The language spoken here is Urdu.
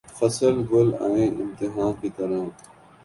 فصل گل آئی امتحاں کی طرح